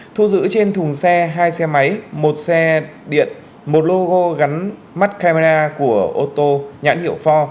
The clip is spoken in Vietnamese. thu giữ trên thùng xe hai xe máy một xe điện một logo gắn mắt camera của ô tô nhãn hiệu fo